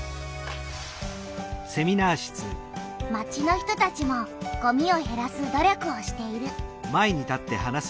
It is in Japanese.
町の人たちもごみをへらす努力をしている。